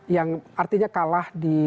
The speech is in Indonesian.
yang artinya kalah di